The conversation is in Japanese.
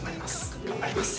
頑張ります。